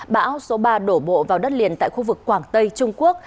bão số ba đổ bộ vào đất liền tại khu vực quảng tây trung quốc